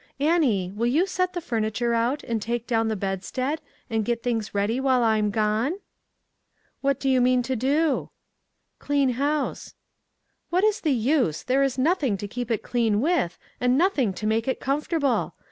Annie, will you set the furniture out, and take down the bedstead, and get things ready while I am gone ?"" What do you mean to do ?" "Clean house." " What is the use ? There is nothing to 2OO ONE COMMONPLACE DAY. keep it clean with, and nothing to make it comfortable.